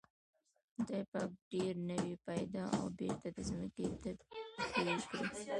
خدای پاک ډېر نوغې پيدا او بېرته د ځمکې تبی کړې.